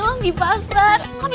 bahkan buat sayang terakhir